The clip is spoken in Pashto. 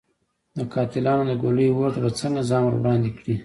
د قاتلانو د ګولیو اور ته به څنګه ځان ور وړاندې کړي.